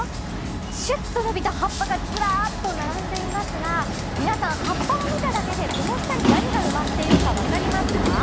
シュっと伸びた葉っぱがずらっと並んでいますが、皆さん、葉っぱを見ただけでこの下に何が埋まっているか分かりますか？